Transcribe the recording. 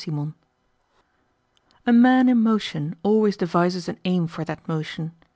CHAPTER XIX A man in motion always devises an aim for that motion.